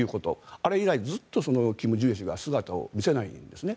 あれ以来ずっとキム・ジュエ氏が姿を見せないんですね。